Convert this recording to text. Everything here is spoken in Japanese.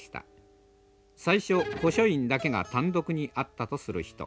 最初古書院だけが単独にあったとする人。